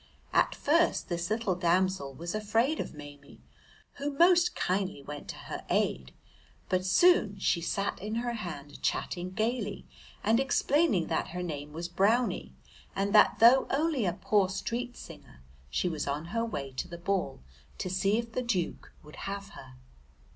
At first this little damsel was afraid of Maimie, who most kindly went to her aid, but soon she sat in her hand chatting gaily and explaining that her name was Brownie, and that though only a poor street singer she was on her way to the ball to see if the Duke would have her.